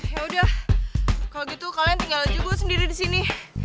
ya udah kalau gitu kalian tinggal jubur sendiri di sini